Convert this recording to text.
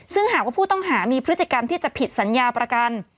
ซึ่งหากว่าผู้ต้องหามีพฤติกรรมที่จะผิดสัญญาประกัน